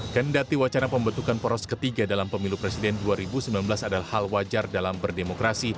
kendati wacana pembentukan poros ketiga dalam pemilu presiden dua ribu sembilan belas adalah hal wajar dalam berdemokrasi